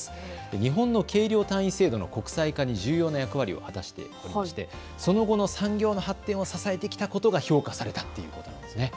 日本の計量単位制度の国際化に重要な役割を果たしていましてその後の産業の発展を支えてきたことが評価されたということです。